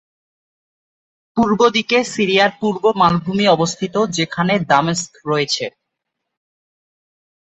পূর্ব দিকে সিরিয়ায় পূর্ব মালভূমি অবস্থিত যেখানে দামেস্ক রয়েছে।